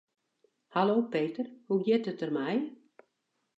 Hallo Peter, hoe giet it der mei?